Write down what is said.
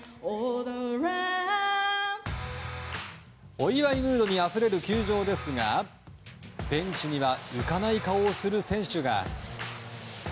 お祝いムードにあふれる球場ですがベンチには浮かない顔をする選手が。